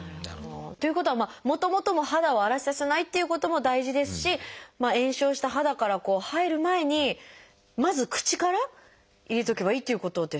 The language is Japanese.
ということはもともとの肌を荒れさせないっていうことも大事ですし炎症した肌から入る前にまず口から入れておけばいいっていうことですよね。